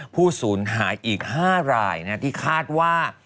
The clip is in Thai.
ผู้สูญหายอีก๕รายที่คาดว่า